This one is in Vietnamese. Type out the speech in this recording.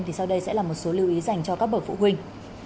thì sau đây sẽ là một số lưu ý dành cho các bậc phụ huynh